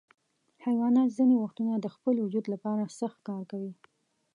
حیوانات ځینې وختونه د خپل وجود لپاره سخت کار کوي.